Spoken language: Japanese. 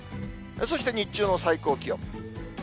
そして日中の最高気温。